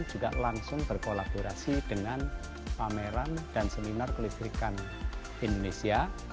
juga langsung berkolaborasi dengan pameran dan seminar kelistrikan indonesia